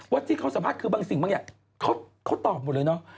ที่เขาสัมภาษณ์คือบางสิ่งบางอย่างเขาตอบหมดเลยเนาะ